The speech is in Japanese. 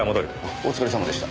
お疲れさまでした。